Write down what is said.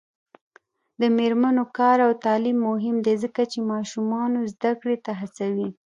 د میرمنو کار او تعلیم مهم دی ځکه چې ماشومانو زدکړې ته هڅوي.